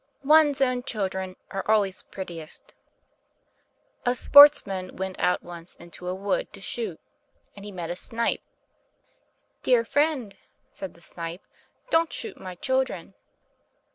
ONE'S OWN CHILDREN ARE ALWAYS PRETTIEST A sportsman went out once into a wood to shoot, and he met a Snipe. "Dear friend," said the Snipe, "don't shoot my children!"